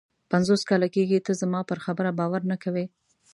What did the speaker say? پنځوس کاله کېږي ته زما پر خبره باور نه کوې.